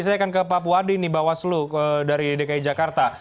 saya akan ke pak puadi nih bawaslu dari dki jakarta